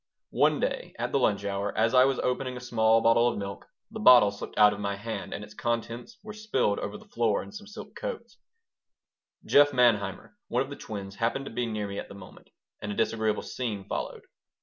One day, at the lunch hour, as I was opening a small bottle of milk, the bottle slipped out of my hand and its contents were spilled over the floor and some silk coats Jeff Manheimer, one of the twins, happened to be near me at the moment, and a disagreeable scene followed.